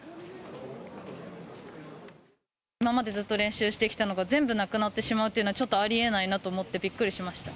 今までずっと練習してきたのが全部なくなってしまうというのは、ちょっとありえないなと思って、びっくりしました。